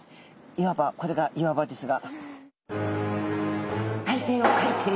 いわばこれが岩場ですが。